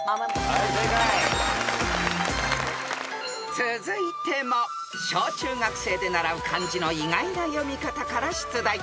［続いても小中学生で習う漢字の意外な読み方から出題］